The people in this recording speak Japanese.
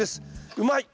うまい！